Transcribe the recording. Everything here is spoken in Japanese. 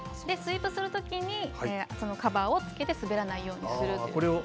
スイープするときにそのカバーをつけて滑らないようにするという。